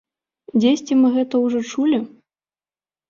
Дзесьці мы гэта ўжо чулі?